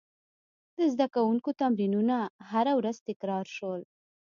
د زده کوونکو تمرینونه هره ورځ تکرار شول.